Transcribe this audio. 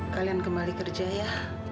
kalian kembali kerja ya